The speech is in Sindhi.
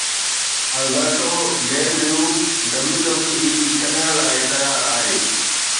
البرٽو ڊيل ريو WWE ڇڏڻ لاء تيار آهي